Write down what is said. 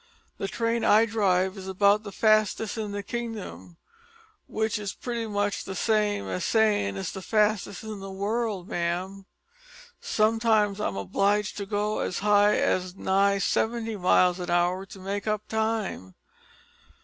The train I drives is about the fastest in the kingdom, w'ich is pretty much the same as sayin' it's the fastest in the world, ma'am. Sometimes I'm obleeged to go as high as nigh seventy miles an hour to make up time."